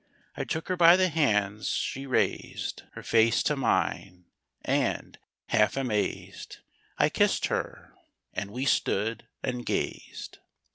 I took her by the hands; she raised Her face to mine; and, half amazed, I kissed her; and we stood and gazed.